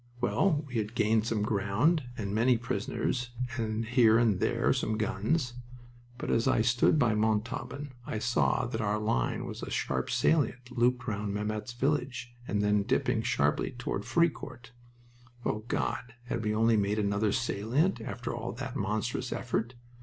Well, we had gained some ground, and many prisoners, and here and there some guns. But as I stood by Montauban I saw that our line was a sharp salient looped round Mametz village and then dipping sharply southward to Fricourt. O God! had we only made another salient after all that monstrous effort?